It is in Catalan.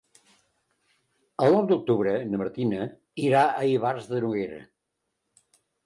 El nou d'octubre na Martina irà a Ivars de Noguera.